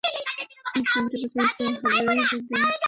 অনুষ্ঠানটি প্রচারিত হবে ঈদের দিন থেকে পরবর্তী সাত দিন রাত নয়টায়।